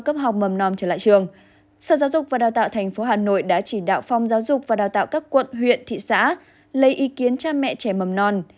trong học mầm non trở lại trường sở giáo dục và đào tạo tp hà nội đã chỉ đạo phòng giáo dục và đào tạo các quận huyện thị xã lấy ý kiến cha mẹ trẻ mầm non